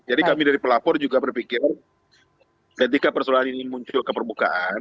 jadi kami dari pelapor juga berpikir ketika persoalan ini muncul ke permukaan